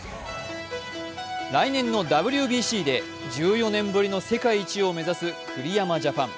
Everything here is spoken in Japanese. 来年のＷＢＣで１４年ぶりの世界一を目指す栗山ジャパン。